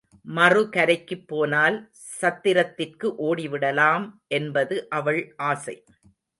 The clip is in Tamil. மறுகரைக்குப் போனால் சத்திரத்திற்கு ஓடிவிடலாம் என்பது அவள் ஆசை.